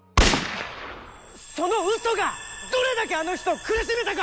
そのうそがどれだけあの人を苦しめたか！